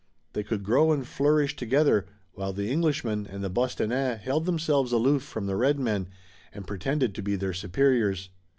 They could grow and flourish together, while the Englishmen and the Bostonnais held themselves aloof from the red men, and pretended to be their superiors.